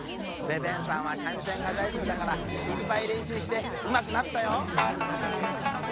ベベンさんはしゃみせんがだいすきだからいっぱいれんしゅうしてうまくなったよ。